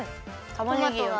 たまねぎが。